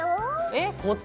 えっ！